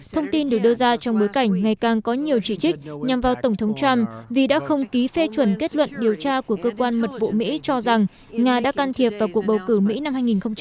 thông tin được đưa ra trong bối cảnh ngày càng có nhiều chỉ trích nhằm vào tổng thống trump vì đã không ký phê chuẩn kết luận điều tra của cơ quan mật vụ mỹ cho rằng nga đã can thiệp vào cuộc bầu cử mỹ năm hai nghìn một mươi sáu